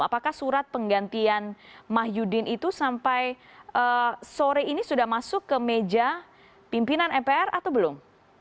apakah surat penggantian mah yudin itu sampai sore ini sudah masuk ke meja pimpinan mpr atau belum